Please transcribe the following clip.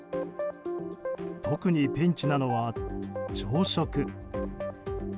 特に、ピンチなのは朝食。